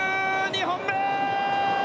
２本目！